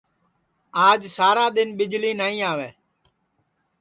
آج سارا دؔن ٻِجݪی نائی آوے